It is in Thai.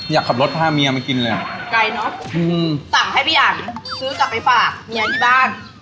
อยากขับรถพาเมียมากินเลยใกล้เนอะอือหือสั่งให้พี่อั๋อน